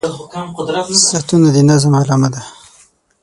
• ساعتونه د نظم علامه ده.